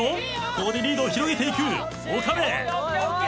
ここでリードを広げていく岡部。